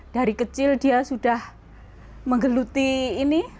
dari kecil dia sudah menggeluti ini